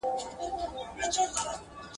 د غمونو ورا یې راغله د ښادیو جنازې دي !.